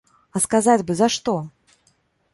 А сказаць бы, за што?